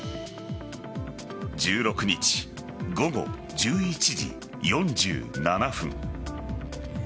１６日午後１１時４７分。